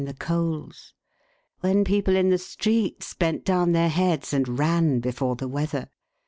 the coals. When people in streets bent down their heads and ran before the weather.